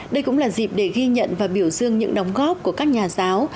đây cũng là dịp để ghi nhận và biểu dương những đóng góp của các nhà giáo